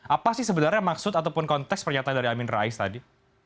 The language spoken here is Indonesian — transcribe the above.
apa sih sebenarnya maksud ataupun konteks pernyataan dari amin rais tadi